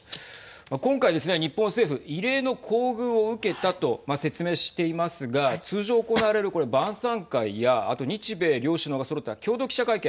今回ですね、日本政府異例の厚遇を受けたと説明していますが通常行われる、これ、晩さん会やあと日米両首脳がそろった共同記者会見